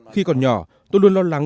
khi còn nhỏ tôi luôn lo lắng